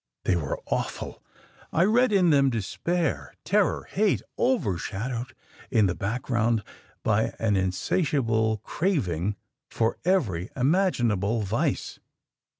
"They were awful. I read in them despair, terror, hate, overshadowed in the background by an insatiable craving for every imaginable vice.